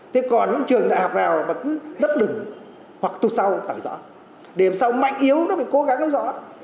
thế còn những trường đại học nào mà cứ lấp đừng hoặc tụt sau đảm bảo rõ để làm sao mạnh yếu nó phải cố gắng lấp rõ